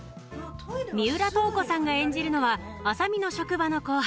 三浦透子さんが演じるのは麻美の職場の後輩